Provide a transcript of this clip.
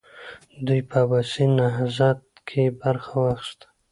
دوی په عباسي نهضت کې برخه واخیسته.